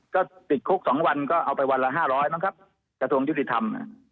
ก็ติดคุก๒วันก็เอาไปวันละ๕๐๐มั้งครับกระทรวงยุติธรรม